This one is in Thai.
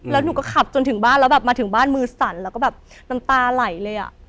แล้วหนูก็ขับจนถึงบ้านแล้วแบบมาถึงบ้านมือสั่นแล้วก็แบบน้ำตาไหลเลยอ่ะ